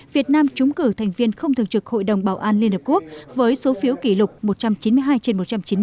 việt nam trúng cử thành viên không thường trực hội đồng bảo an liên hợp quốc với số phiếu kỷ lục một trăm chín mươi hai trên một trăm chín mươi hai